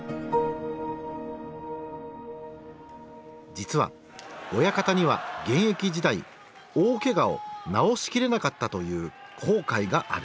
実は親方には現役時代大けがを治しきれなかったという後悔がある。